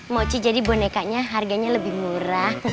mau ci jadi bonekanya harganya lebih murah